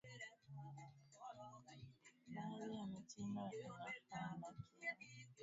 baadhi ya mitindo inafaa lakini inahitaji gharama kubwa